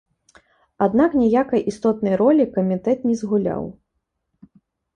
Аднак ніякай істотнай ролі камітэт не згуляў.